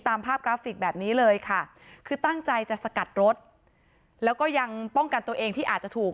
ภาพกราฟิกแบบนี้เลยค่ะคือตั้งใจจะสกัดรถแล้วก็ยังป้องกันตัวเองที่อาจจะถูก